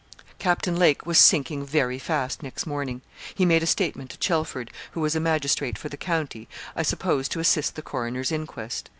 Captain Lake was sinking very fast next morning. He made a statement to Chelford, who was a magistrate for the county, I suppose to assist the coroner's inquest.